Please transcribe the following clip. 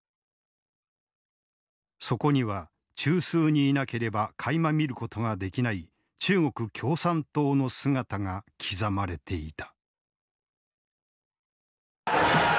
そこには中枢にいなければかいま見ることができない中国共産党の姿が刻まれていた。